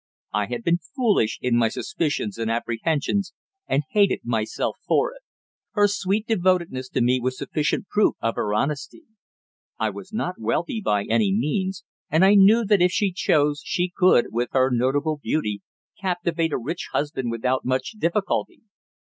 I had been foolish in my suspicions and apprehensions, and hated myself for it. Her sweet devotedness to me was sufficient proof of her honesty. I was not wealthy by any means, and I knew that if she chose she could, with her notable beauty, captivate a rich husband without much difficulty.